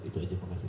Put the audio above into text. itu aja terima kasih